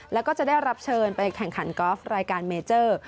แล้วก็จะได้รับเชิญไปแข่งขันกอล์ฟรายการเมเจอร์